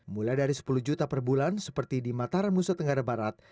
mulai dari sepuluh juta per bulan seperti di mataram nusa tenggara barat